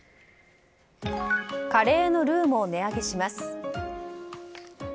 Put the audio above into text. カレーのルウも値上げします。